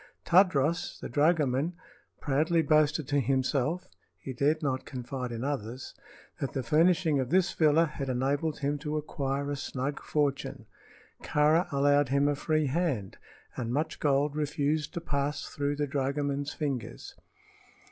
Tadros, the dragoman, proudly boasted to himself he dared not confide in others that the furnishing of this villa had enabled him to acquire a snug fortune. Kāra allowed him a free hand, and much gold refused to pass through the dragoman's fingers.